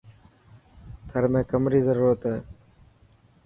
ٿر ۾ ڪم ري ضرورت هي.